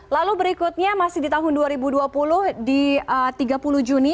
lalu berikutnya masih di tahun dua ribu dua puluh di tiga puluh juni